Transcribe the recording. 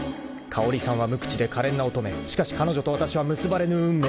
［香織さんは無口でかれんな乙女しかし彼女とわたしは結ばれぬ運命］